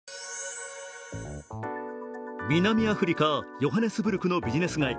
南アフリカ・ヨハネスブルクのビジネス街。